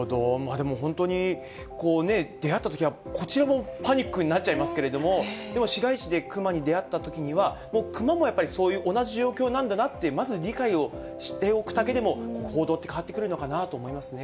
でも、本当にこうね、出会ったときは、こちらもパニックになっちゃいますけれども、でも市街地でクマに出会ったときにはもうクマもやっぱり、そういう同じ状況なんだなって、まず理解をしておくだけでも、行動って変わってくるのかなって思いますね。